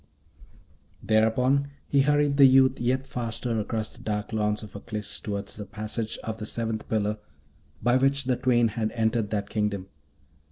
Thereupon he hurried the youth yet faster across the dark lawns of Aklis toward the passage of the Seventh Pillar, by which the twain had entered that kingdom.